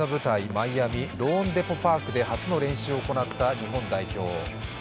マイアミ、ローンデポ・パークで初の練習を行った日本代表。